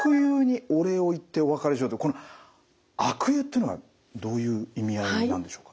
これ悪友ってのはどういう意味合いなんでしょうか。